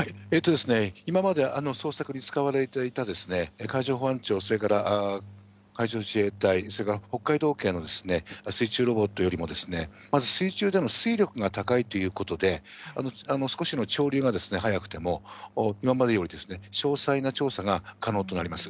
今まで捜索に使われていた海上保安庁、それから海上自衛隊、それから北海道警の水中ロボットよりもまず水中での水力が高いということで、少しの潮流が速くても、今までより詳細な調査が可能となります。